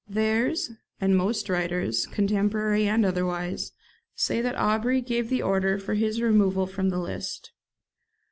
Thiers (vol. iv, p. 326) and most writers, contemporary and otherwise, say that Aubry gave the order for his removal from the list.